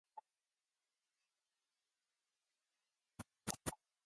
He played college football at the University of Georgia.